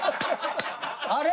あれ？